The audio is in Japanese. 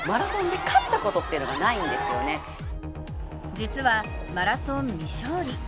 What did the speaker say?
実はマラソン未勝利。